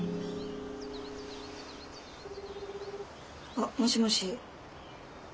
あっもしもし。